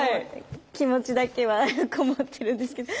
気持ちだけはこもってるんですけど。